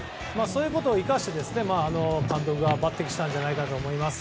そういうことを生かして監督が抜擢したんじゃないかなと思います。